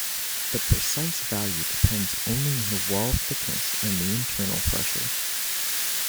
The precise value depends only on the wall thickness and the internal pressure.